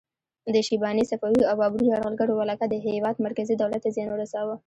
د شیباني، صفوي او بابري یرغلګرو ولکه د هیواد مرکزي دولت ته زیان ورساوه.